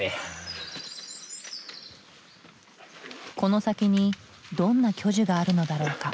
この先にどんな巨樹があるのだろうか？